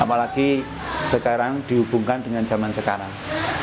apalagi sekarang dihubungkan dengan zaman sekarang